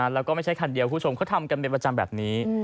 แล้วก็ไม่ใช่คันเดียวคุณผู้ชมเขาทำกันเป็นประจำแบบนี้